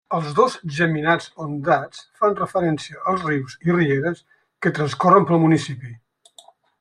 Els dos geminats ondats fan referència als rius i rieres que transcorren pel municipi.